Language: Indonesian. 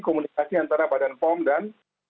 komunikasi antara badan pom dan